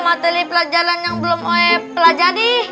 materi pelajaran yang belum oe pelajari